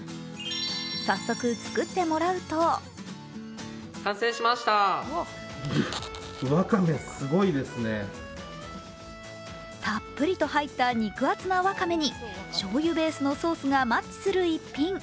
早速、作ってもらうとたっぷりと入った肉厚なわかめにしょうゆベースのソースがマッチする逸品。